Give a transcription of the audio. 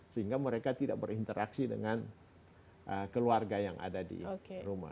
sehingga mereka tidak berinteraksi dengan keluarga yang ada di rumah